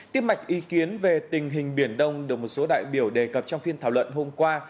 tiếp mạch ý kiến về tình hình biển đông được một số đại biểu đề cập trong phiên thảo luận hôm qua